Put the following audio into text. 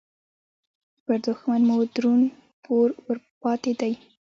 پر دوښمن مو درون پور ورپاتې دې